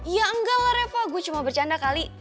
ya enggak lah revo gue cuma bercanda kali